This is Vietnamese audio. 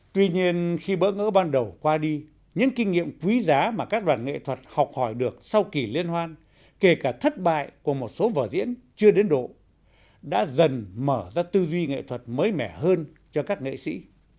tuy nhiên khi bỡ ngỡ ban đầu qua đi những kinh nghiệm quý giá mà các đoàn nghệ thuật học hỏi được sau kỳ liên hoan kể cả thất bại của một số vở diễn chưa đến độ đã dần mở ra tư duy nghệ thuật mới mẻ hơn cho các nghệ sĩ